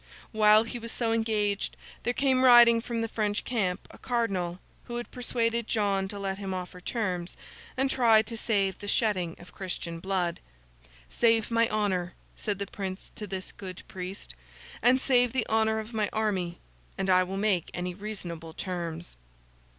While he was so engaged, there came riding from the French camp, a Cardinal, who had persuaded John to let him offer terms, and try to save the shedding of Christian blood. 'Save my honour,' said the Prince to this good priest, 'and save the honour of my army, and I will make any reasonable terms.